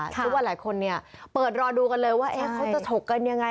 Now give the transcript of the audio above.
ทุกคนเปิดรอดูกันเลยว่าเขาจะถกกันยังไง